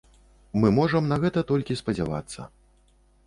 Мы можам на гэта толькі спадзявацца.